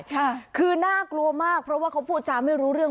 ค่ะคือน่ากลัวมากเพราะว่าเขาพูดจาไม่รู้เรื่อง